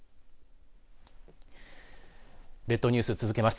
列島ニュース、続けます。